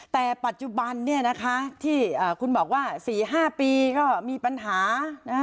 แต่ปัจจุบันเนี่ยนะคะที่อ่าคุณบอกว่าสี่ห้าปีก็มีปัญหานะ